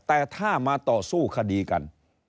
แต่ถ้ามาต่อสู้คดีกัน